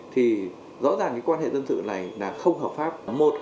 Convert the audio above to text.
thì rõ ràng cái quan hệ dân sự này là không hợp pháp